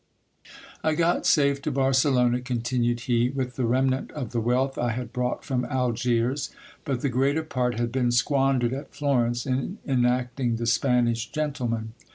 I got safe to Barcelona, continued he, with the remnant of the wealth I had brought from Algiers ; but the greater part had been squandered at Florence in enacting the Spanish gentleman.